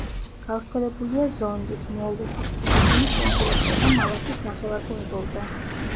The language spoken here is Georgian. გავრცელებულია ზონდის, მოლუკის, ფილიპინის კუნძულებსა და მალაკის ნახევარკუნძულზე.